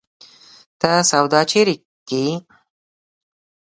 ته سودا چيري کيې؟